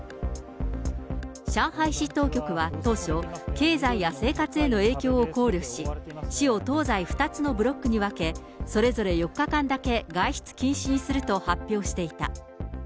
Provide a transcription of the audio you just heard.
上海市当局は当初、経済や生活への影響を考慮し、市を東西２つのブロックに分け、それぞれ４日間だけ外出禁止にすると発表していた。